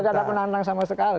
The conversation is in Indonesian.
tidak ada penantang sama sekali